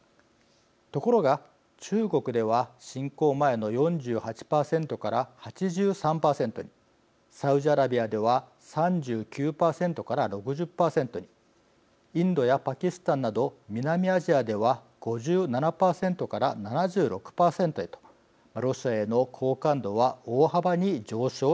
ところが中国では侵攻前の４８％から８３％にサウジアラビアでは３９％から６０％にインドやパキスタンなど南アジアでは５７％から７６％へとロシアへの好感度は大幅に上昇しているのです。